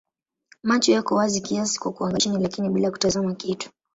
Macho yako wazi kiasi kwa kuangalia chini lakini bila kutazama kitu.